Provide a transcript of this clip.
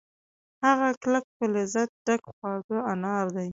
هغه کلک په لذت ډک خواږه انار دي